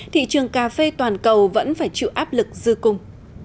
thị trường cà phê toàn cầu vẫn phải chịu áp lực dư cung